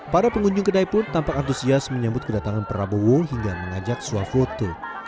para pengunjung kedai pun tampak antusias menyambut kedatangan prabowo hingga mengajak suah foto